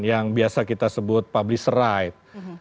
yang biasa kita sebut publish right